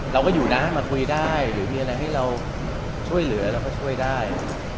เราก็อยู่นะมาคุยได้หรือมีอะไรให้เราช่วยเหลือเราก็ช่วยได้